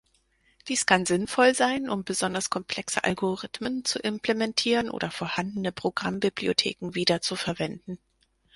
Dies kann sinnvoll sein, um besonders komplexe Algorithmen zu implementieren oder vorhandene Programmbibliotheken wiederzuverwenden.